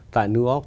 tại new york